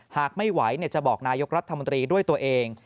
หากไม่ไหวจะบอกนายกรัฐมนตรีด้วยตัวเอง